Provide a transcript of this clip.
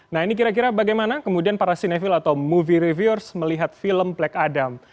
nah ini kira kira bagaimana kemudian para sinevil atau movie reviewers melihat film black adam